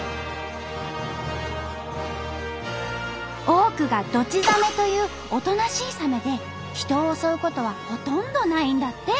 多くがドチザメというおとなしいサメで人を襲うことはほとんどないんだって。